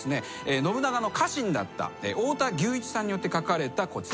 信長の家臣だった太田牛一さんによって書かれたこちら。